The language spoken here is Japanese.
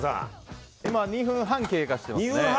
今、２分半経過してます。